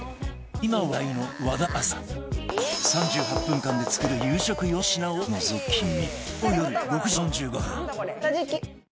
今話題の和田明日香３８分間で作る夕食４品をのぞき見